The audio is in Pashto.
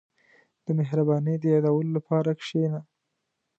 • د مهربانۍ د یادولو لپاره کښېنه.